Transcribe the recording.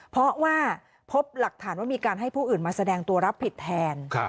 เพราะว่าพบหลักฐานว่ามีการให้ผู้อื่นมาแสดงตัวรับผิดแทน